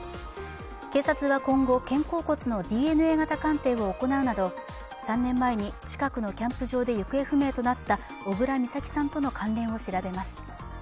警察は今後肩甲骨のＤＮＡ型鑑定を行うなど３年前に近くのキャンプ場で行方不明となった小倉美咲さんとの関連を調べます。